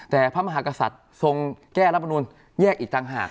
แต่พระมหากษัตริย์ทรงแก้รัฐมนุนแยกอีกต่างหาก